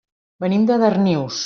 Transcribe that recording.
Venim de Darnius.